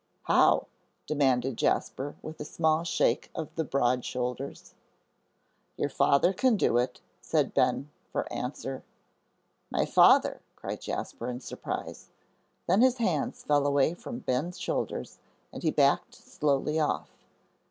"How?" demanded Jasper, with a small shake of the broad shoulders. "Your father can do it," said Ben, for answer. "My father!" cried Jasper, in surprise. Then his hands fell away from Ben's shoulders, and he backed slowly off.